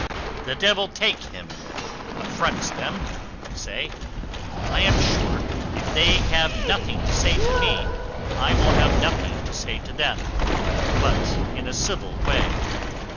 The devil take him that affronts them, I say; I am sure, if they have nothing to say to me, I will have nothing to say to them, but in a civil way.